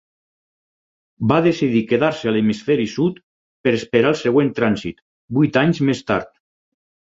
Va decidir quedar-se a l'hemisferi sud per esperar el següent trànsit, vuit anys més tard.